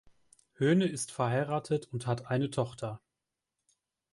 Höhne ist verheiratet und hat eine Tochter.